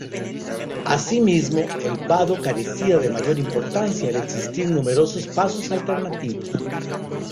Asimismo, el vado carecía de mayor importancia al existir numerosos pasos alternativos.